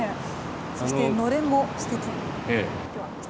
そしてのれんもすてき。